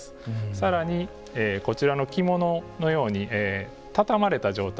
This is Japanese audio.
さらにこちらの着物のように畳まれた状態